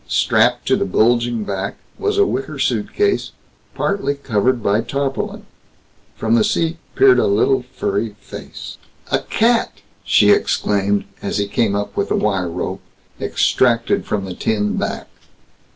Strapped to the bulging back was a wicker suitcase partly covered by tarpaulin. From the seat peered a little furry face. "A cat?" she exclaimed, as he came up with a wire rope, extracted from the tin back.